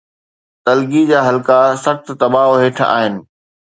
تلگي جا حلقا سخت دٻاءُ هيٺ آهن.